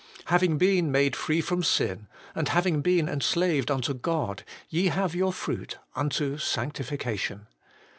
'Having been made free from sin, and having been enslaved unto God, ye have your fruit unto sandification.'